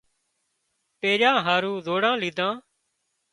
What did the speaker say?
پيريا هارو زوڙان ليڌا